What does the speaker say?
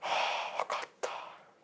分かった。